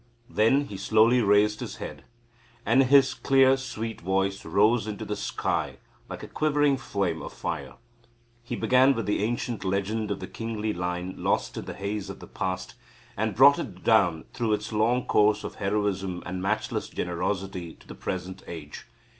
Then he slowly raised his head, and his clear sweet voice rose into the sky like a quivering flame of fire. He began with the ancient legend of the kingly line lost in the haze of the past, and brought it down through its long course of heroism and matchless generosity to the present age.